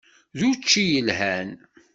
D učči yelhan.